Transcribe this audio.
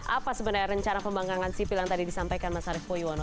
apa sebenarnya rencana pembangkangan sipil yang tadi disampaikan mas arief puyono